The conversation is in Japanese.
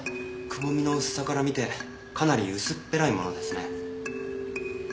くぼみの薄さから見てかなり薄っぺらいものですね。